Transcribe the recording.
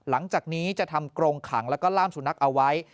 หลังจากนี้จะทำกรงขังแล้วก็ล่ามสุนัขเอาไว้